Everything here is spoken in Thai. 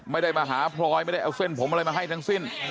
ไม่ได้มาหาพลอยไม่ได้เอาเส้นผมอะไรมาให้ทั้งสิ้น